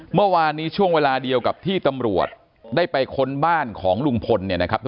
เมื่อวานนี้ช่วงเวลาเดียวกับที่ตำรวจได้ไปค้นบ้านของลุงพลเนี่ยนะครับ